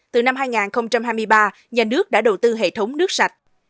từ năm hai nghìn hai mươi ba nhà nước đã đầu tư hệ thống nước sạch